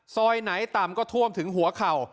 ซอยไหนต่ำก็ท่วมถึงหัวเข่า